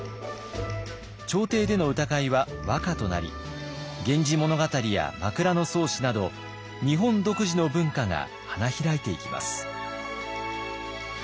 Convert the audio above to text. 朝廷での歌会は和歌となり「源氏物語」や「枕草子」など日本独自の文化が花開いていきます。